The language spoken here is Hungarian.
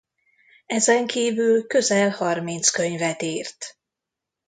Ezenkívül közel harminc könyvet írt.